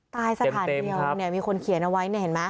ใต้สถานเดียวมีคนเขียนเอาไว้